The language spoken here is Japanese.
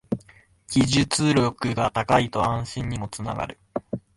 技術力が高いと安心にもつながる